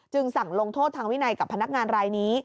สั่งลงโทษทางวินัยกับพนักงานรายนี้